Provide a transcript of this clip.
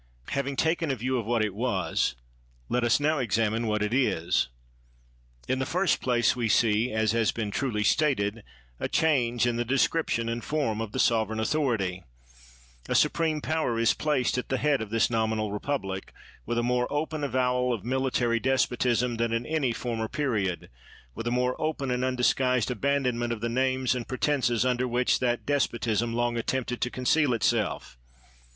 Having taken a view of what it was, let us now examine what it is. In the first place we pee, as has been truly stated, a change in the description and form of the sovereign author ity. A supreme power is placed at the head of this nominal republic, with a more open avowal of military despotism than at any former period ; with a more open and undisguised aban donment of the names and pretenses under which that despotism long attempted to conceal itself.